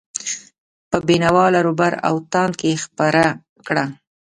په بینوا، لراوبر او تاند کې خپره کړه.